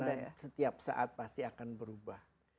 karena setiap saat pasti akan berubah